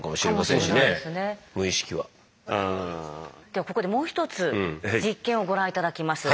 ではここでもう一つ実験をご覧頂きます。